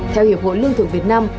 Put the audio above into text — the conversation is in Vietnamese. theo hiệp hội lương thưởng việt nam